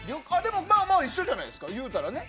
まあまあ、一緒じゃないですか言うたらね。